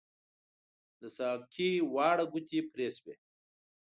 د ساقۍ واړه ګوتې پري شوي